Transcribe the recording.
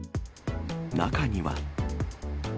中には。